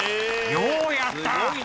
ようやった！